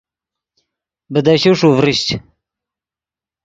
بیدشے ݰو ڤریشچ